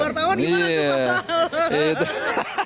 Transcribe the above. wartawan gimana tuh pak